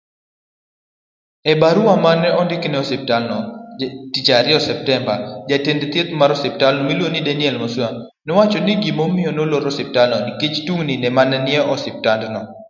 EbaruamaneondikinejotichdutoeosiptandnoTichAriyo, Septemba, jatendmigaomarthiethmiluongoniDanielMusianinowachonigimaneomiyoosiptandnoolorapoyaneennikechtungnimanenitieeosiptandno.